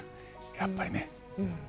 やっぱりね。